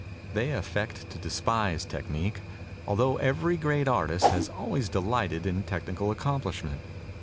They affect to despise technic, altho every great artist has always de lighted in technical accomplishment.